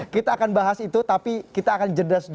kita akan bahas itu tapi kita akan jeda